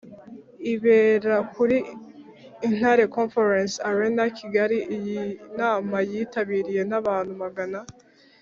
Ibera kuri intare conference arena kigali iyi nama yitabiriwe n abantu magana